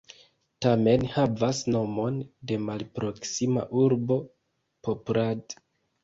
Tamen havas nomon de malproksima urbo Poprad.